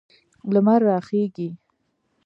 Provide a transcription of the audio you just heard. لمر راخیږي